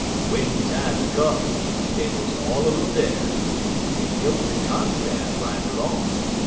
"W'en de time come, dey wuz all un um dar, en dey hilt der confab right 'long.